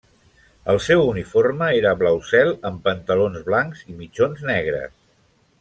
El seu uniforme era blau cel, amb pantalons blancs i mitjons negres.